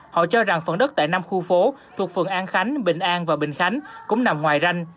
họ cho rằng phần đất tại năm khu phố thuộc phường an khánh bình an và bình khánh cũng nằm ngoài ranh